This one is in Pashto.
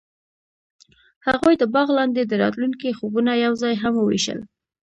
هغوی د باغ لاندې د راتلونکي خوبونه یوځای هم وویشل.